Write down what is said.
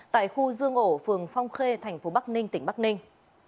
tại khu dương ổ phường phong khê tp bắc ninh tỉnh bắc ninh